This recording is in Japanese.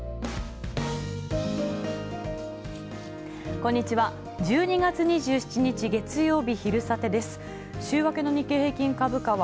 こんにちは。